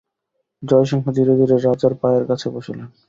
জয়সিংহ ধীরে ধীরে রাজার পায়ের কাছে বসিলেন।